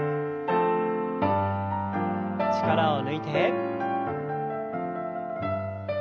力を抜いて。